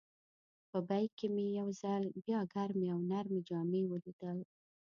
په بیک کې مې یو ځل بیا ګرمې او نرۍ جامې ولیدل.